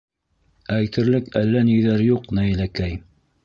- Әйтерлек әллә ниҙәр юҡ, Наиләкәй.